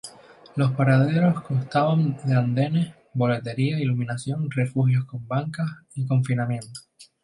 Los paraderos constaban de andenes, boletería, iluminación, refugios con bancas y confinamiento.